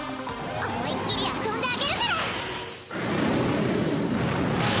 思いっきり遊んであげるから！